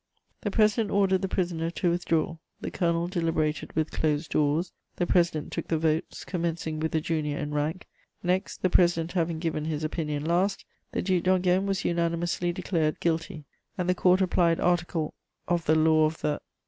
"The president ordered the prisoner to withdraw; the council deliberated with closed doors; the president took the votes, commencing with the junior in rank; next, the president having given his opinion last, the Duc d'Enghien was unanimously declared guilty, and the Court applied Article ... of the law of the...